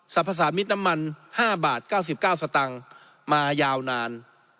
พสามิตรน้ำมัน๕บาท๙๙สตางค์มายาวนาน